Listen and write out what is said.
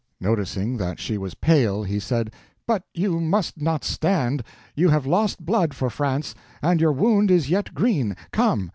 Noticing that she was pale, he said, "But you must not stand; you have lost blood for France, and your wound is yet green—come."